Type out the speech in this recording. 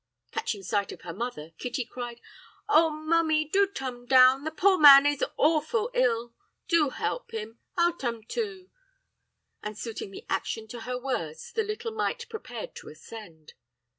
"Catching sight of her mother, Kitty cried, 'Oh! mummy, do tum down! the poor man is awful ill. Do help him! I'll tum too,' and suiting the action to her words the little mite prepared to ascend.